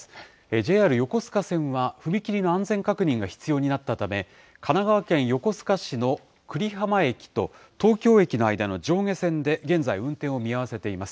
ＪＲ横須賀線は、踏切の安全確認が必要になったため、神奈川県横須賀市の久里浜駅と、東京駅の間の上下線で現在運転を見合わせています。